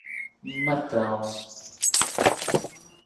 Matão